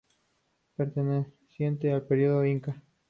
Perteneciente al periodo inca.